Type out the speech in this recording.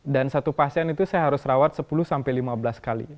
dan satu pasien itu saya harus rawat sepuluh sampai lima belas kali